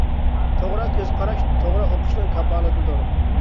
توغرا كۆز قاراش توغرا ئوقۇشنىڭ كاپالىتىدۇر.